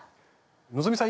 希さん